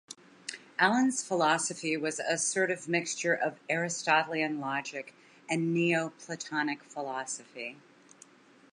Alan's philosophy was a sort of mixture of Aristotelian logic and Neoplatonic philosophy.